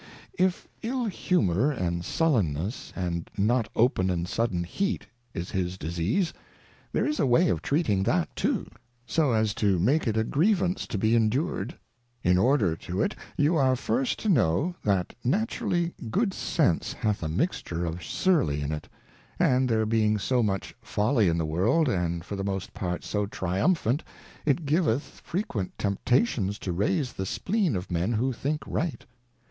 If Ill Humour and Sullenness, and not open and sudden Heat is his Disease, there is a way of treating that too, so as to make it a Grievance to be endured. In order to it, you are first to know, that naturally ^oo</ Sense hath a mixture of surly in it : and there being so much Folly in the World, and for the most part so triumphant, it giveth frequent Temptations to raise the Spleen of Men who think right.